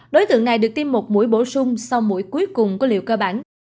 đối tượng này được tiêm một mũi bổ sung sau mũi cuối cùng của liều cơ bản